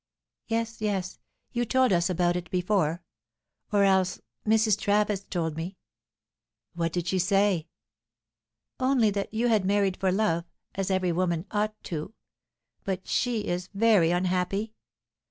Yes, yes; you told us about it before. Or else. Mrs. Travis told me." "What did she say?" "Only that you had married for love, as every woman ought to. But she is very unhappy.